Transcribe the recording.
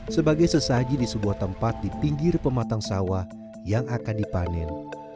sebagai sesaji di sebuah tempat di pinggir pematang sawah yang akan dipanen